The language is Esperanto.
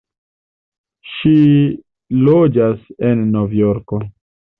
Ŝi loĝas en Novjorko.